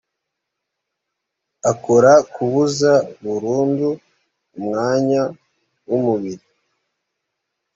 akora kubuza burundu umwanya w umubiri